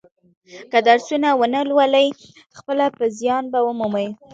که درسونه و نه لولي خپله به زیان و مومي.